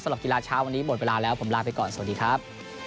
กีฬาเช้าวันนี้หมดเวลาแล้วผมลาไปก่อนสวัสดีครับ